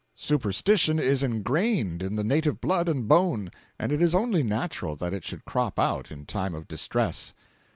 Superstition is ingrained in the native blood and bone and it is only natural that it should crop out in time of distress.